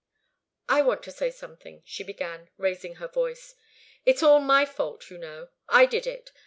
"I want to say something," she began, raising her voice. "It's all my fault, you know. I did it.